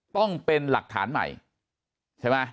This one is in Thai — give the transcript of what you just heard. ต้องเป็นหลักฐานใหม่ใช่ไหม